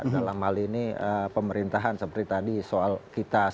dalam hal ini pemerintahan seperti tadi soal kitas